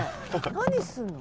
何すんの？